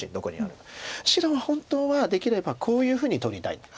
白は本当はできればこういうふうに取りたい。